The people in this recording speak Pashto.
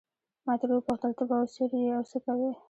ما ترې وپوښتل ته به اوس چیرې یې او څه کوې.